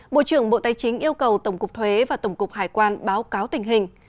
bộ trưởng bộ tài chính yêu cầu tổng cục thuế và tổng cục hải quan báo cáo tình hình